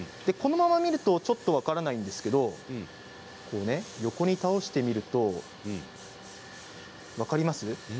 このまま見るとちょっと分からないんですけれど横に倒してみると分かりますか？